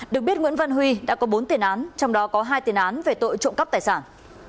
được biết nguyễn văn huy đã có bốn tiền án trong đó có hai tiền án về tội trộm cắp tài sản